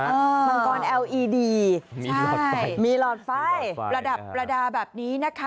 มังกรเอลอีดีมีหลอดไฟมีหลอดไฟประดับประดาษแบบนี้นะคะ